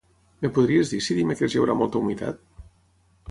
Em podries dir si dimecres hi haurà molta humitat?